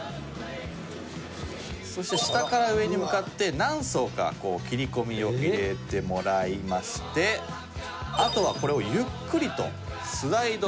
そして下から上に向かって何層か切り込みを入れてもらいましてあとはこれをゆっくりとスライドさせます。